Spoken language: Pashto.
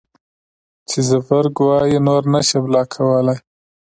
چې زبرګ وائي نور نشې بلاک کولے